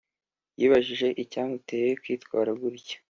yibajije icyamuteye kwitwara gutyo